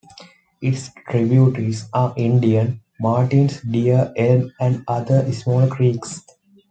Its tributaries are Indian, Martin's, Deer, Elm, and other small creeks.